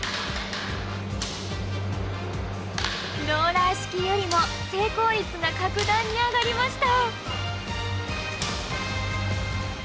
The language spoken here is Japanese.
ローラー式よりも成功率が各段に上がりました。